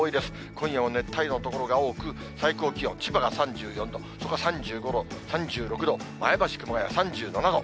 今夜も熱帯夜の所が多く、最高気温、千葉が３４度、３５度、３６度、前橋、熊谷３７度。